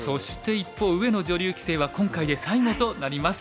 一方上野女流棋聖は今回で最後となります。